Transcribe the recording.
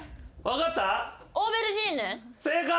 正解！